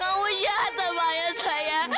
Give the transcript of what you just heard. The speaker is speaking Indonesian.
kamu jahat sama ayah saya